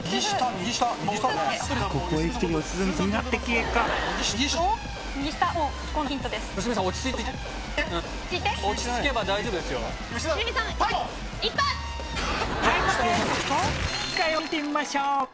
右下？を見てみましょう。